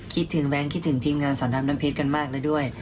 คิดถึงแบงค์คิดถึงทีมงานสอนดำน้ำเพชรกันมากแล้วด้วย